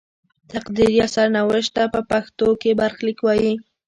تقدیر یا سرنوشت ته په پښتو کې برخلیک وايي.